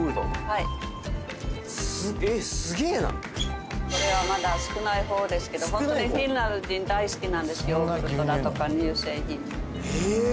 はいえっすげえなこれはまだ少ないほうですけどもフィンランド人大好きなんですヨーグルトだとか乳製品ええー